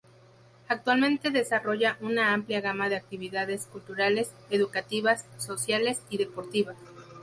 Actualmente, desarrolla una amplia gama de actividades culturales, educativas, sociales y deportivas.